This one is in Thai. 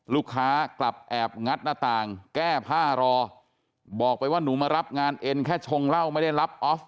กลับแอบงัดหน้าต่างแก้ผ้ารอบอกไปว่าหนูมารับงานเอ็นแค่ชงเหล้าไม่ได้รับออฟ